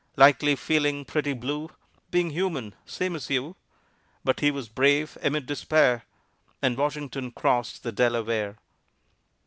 Likely feeling pretty blue, Being human, same as you, But he was brave amid despair, And Washington crossed the Delaware!